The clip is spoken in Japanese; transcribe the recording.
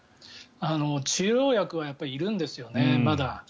治療薬はやっぱりいるんですよね、まだ。